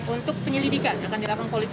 untuk penyelidikan akan dilakukan polisi